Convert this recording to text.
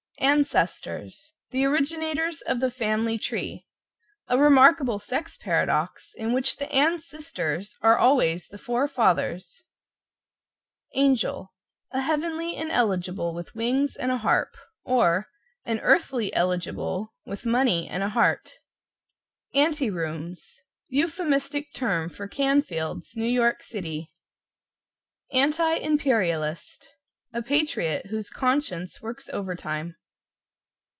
=ANCESTORS= The originators of the Family Tree, a remarkable sex paradox in which the Ann sisters are always the four fathers. =ANGEL= A heavenly ineligible, with wings and a harp; or, an earthly eligible, with money and a heart. =ANTI ROOMS= Euphemistic term for Canfield's, New York City. =ANTI IMPERIALIST= A patriot whose conscience works overtime.